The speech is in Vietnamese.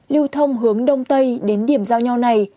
lưu thông hướng đông tây đến điểm giao nhau này